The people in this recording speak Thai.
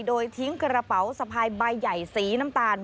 โดยทิ้งกระเป๋าสะพายใบใหญ่สีน้ำตาล